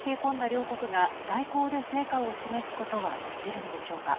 両国が外交で成果を示すことはできるのでしょうか。